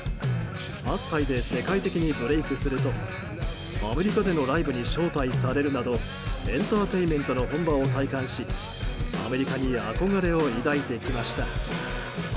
８歳で世界的にブレークするとアメリカでのライブに招待されるなどエンターテインメントの本場を体感しアメリカに憧れを抱いてきました。